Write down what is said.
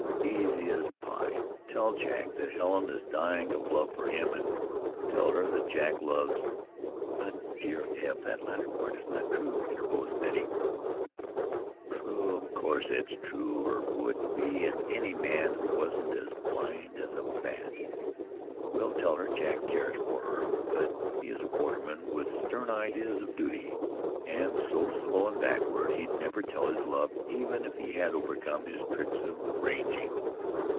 "Easy as pie. Tell Jack that Helen is dying of love for him, and tell her that Jack loves " "But, dear Eb, that latter part is not true," interposed Betty. "True, of course it's true, or would be in any man who wasn't as blind as a bat. We'll tell her Jack cares for her; but he is a borderman with stern ideas of duty, and so slow and backward he'd never tell his love even if he had overcome his tricks of ranging.